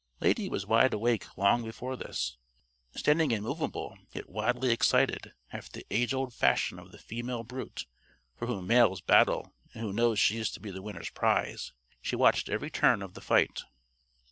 Lady was wide awake long before this. Standing immovable, yet wildly excited after the age old fashion of the female brute for whom males battle and who knows she is to be the winner's prize she watched every turn of the fight.